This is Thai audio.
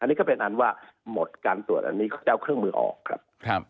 อันนี้ก็เป็นอันว่าหมดการตรวจอันนี้เขาจะเอาเครื่องมือออกครับ